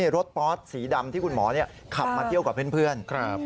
รถปอสสีดำที่คุณหมอขับมาเที่ยวกับเพื่อน